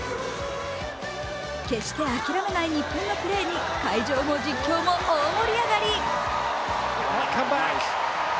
決して諦めない日本のプレーに会場も実況も大盛り上がり。